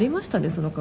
その顔。